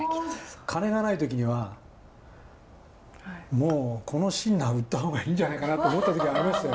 金がない時にはもうこのシンナー売った方がいいんじゃないかなと思った時ありましたよ。